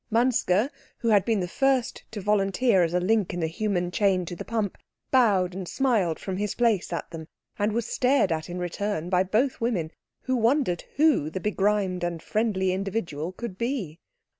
Manske, who had been the first to volunteer as a link in the human chain to the pump, bowed and smiled from his place at them, and was stared at in return by both women, who wondered who the begrimed and friendly individual could be.